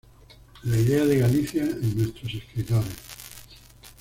La idea de Galicia en nuestros escritores".